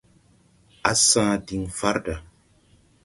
Á sa̧a̧n diŋ farda.